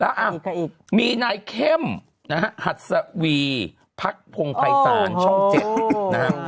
แล้วอ่ะมีนายเข้มหัตซะวีพักพงภัยศาลช่อง๗นะฮะ